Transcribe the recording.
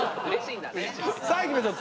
さあいきましょう。